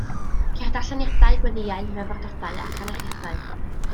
Ceir darlleniadau, gweddïau, myfyrdodau ac anerchiadau.